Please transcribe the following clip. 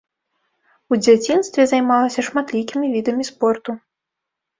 У дзяцінстве займалася шматлікімі відамі спорту.